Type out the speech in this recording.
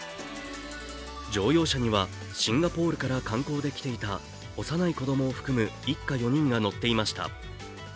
乗用車にはシンガポールから観光で来ていた幼い子供を含む一家４人が乗っていました。